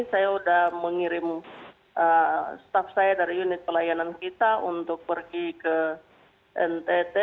saya sudah mengirim staff saya dari unit pelayanan kita untuk pergi ke ntt